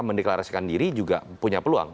mendeklarasikan diri juga punya peluang